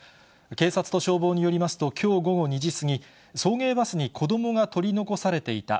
警察と消防によりますと、きょう午後２時過ぎ、送迎バスに子どもが取り残されていた。